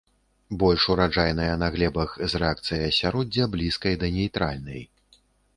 Больш ураджайныя на глебах з рэакцыяй асяроддзя блізкай да нейтральнай.